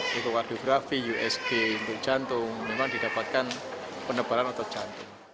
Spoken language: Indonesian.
hipoardografi usg untuk jantung memang didapatkan penebalan otot jantung